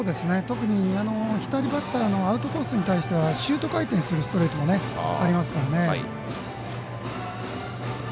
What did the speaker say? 特に、左バッターのアウトコースに対してはシュート回転するストレートもありますからね。